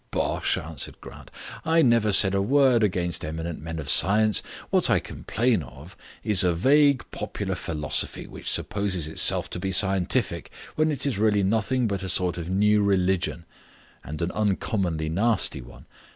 "Bosh," answered Grant. "I never said a word against eminent men of science. What I complain of is a vague popular philosophy which supposes itself to be scientific when it is really nothing but a sort of new religion and an uncommonly nasty one.